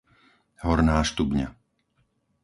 Horná Štubňa